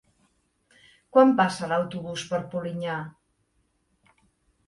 Quan passa l'autobús per Polinyà?